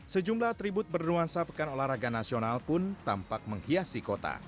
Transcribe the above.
sejumlah atribut bernuansa pekan olahraga nasional pun tampak menghiasi kota